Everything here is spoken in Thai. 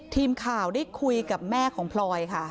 ทีมข่าวได้คุยกับแม่ของพลอยค่ะ